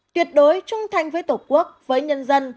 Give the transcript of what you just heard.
tuyệt đối trung thành với tổ quốc với nhân dân